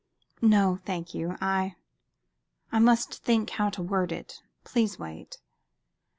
"No, thank you. I I must think how to word it. Please wait."